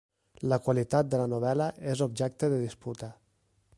La qualitat de la novel·la és objecte de disputa.